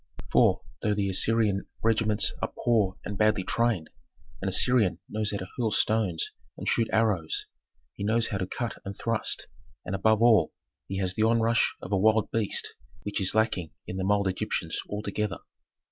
For, though the Assyrian regiments are poor and badly trained, an Assyrian knows how to hurl stones and shoot arrows; he knows how to cut and thrust, and, above all, he has the onrush of a wild beast, which is lacking in the mild Egyptians altogether.